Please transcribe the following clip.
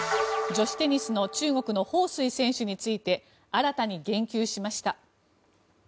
女子テニスの中国のホウ・スイ選手について新たに言及しました。